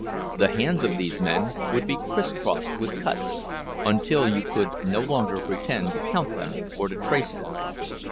The hands of these men would be criss crossed with cuts, until you could no longer pretend to count them or to trace them.